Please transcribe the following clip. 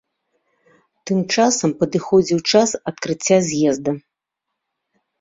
Тым часам падыходзіў час адкрыцця з'езда.